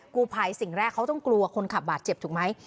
กู้ภัยสิ่งแรกเขาต้องกลัวคนขับบาดเจ็บถูกไหม